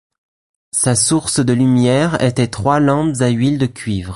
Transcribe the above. Sa source de lumière était trois lampes à huile de cuivre.